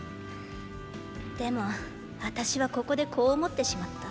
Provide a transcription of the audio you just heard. でもあたしはここでこう思ってしまった。